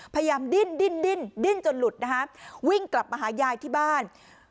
ดิ้นดิ้นดิ้นจนหลุดนะฮะวิ่งกลับมาหายายที่บ้าน